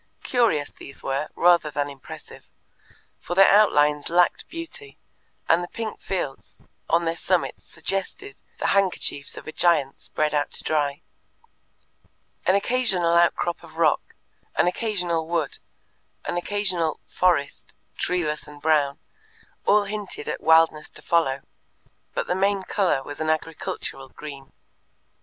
Curious these were, rather than impressive, for their outlines lacked beauty, and the pink fields on their summits suggested the handkerchiefs of a giant spread out to dry. An occasional outcrop of rock, an occasional wood, an occasional "forest," treeless and brown, all hinted at wildness to follow, but the main colour was an agricultural green.